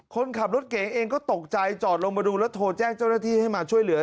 คนขับรถเก๋งเองก็ตกใจจอดลงมาดูแล้วโทรแจ้งเจ้าหน้าที่ให้มาช่วยเหลือ